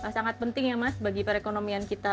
sangat penting ya mas bagi perekonomian kita